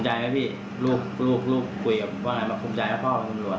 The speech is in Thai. ให้ลูกก็ดูเฟสมาตรกับพ่อมีไลน์ไล่มาเป็นแสนแล้วพ่อ